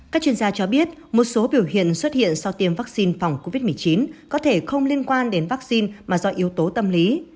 các chuyên gia cho biết một số biểu hiện xuất hiện sau tiêm vaccine phòng covid một mươi chín có thể không liên quan đến vaccine mà do yếu tố tâm lý